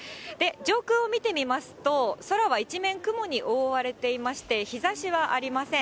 上空を見てみますと、空は一面雲に覆われていまして、日ざしはありません。